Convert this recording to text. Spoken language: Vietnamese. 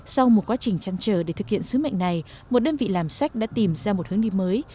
sau một quá trình chăn trở để thực hiện sứ mệnh này một đơn vị làm sách đã tìm ra một hướng đi mới